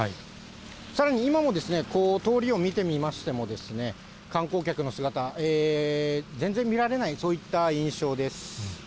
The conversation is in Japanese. さらに今も通りを見てみましても、観光客の姿、全然見られない、そういった印象です。